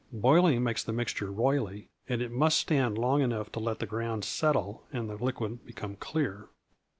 Boiling makes the mixture roily, and it must stand long enough to let the grounds settle and the liquid become clear.